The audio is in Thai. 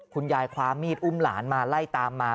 คุณยายคว้ามีดอุ้มหลานมาไล่ตามมา